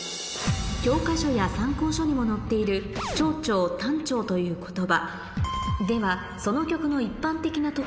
教科書や参考書にも載っているという言葉